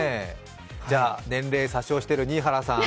じゃ、年齢詐称している新原さん。